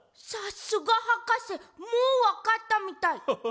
さすがはかせもうわかったみたい。